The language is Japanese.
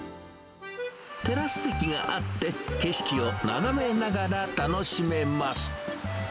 テラス席があって、景色を眺めながら楽しめます。